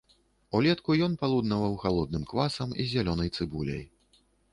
Улетку ён палуднаваў халодным квасам з зялёнай цыбуляй.